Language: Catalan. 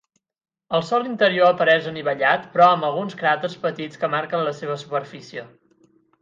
El sòl interior apareix anivellat, però amb alguns cràters petits que marquen la seva superfície.